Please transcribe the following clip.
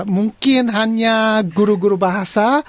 mungkin hanya guru guru bahasa